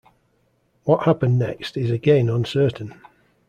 What happened next is again uncertain.